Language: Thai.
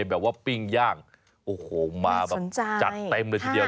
แบบว่าปิ่งย่างว่าไม่สนใจมาแบบจัดเต็มเลยสักเดียว